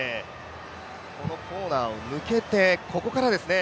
このコーナーを抜けてここからですね。